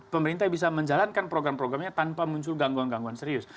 pemerintah bisa menjalankan program programnya tanpa muncul gangguan gangguan serius